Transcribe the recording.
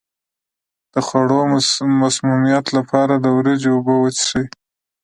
د خوړو د مسمومیت لپاره د وریجو اوبه وڅښئ